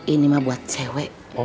ini ma buat cewe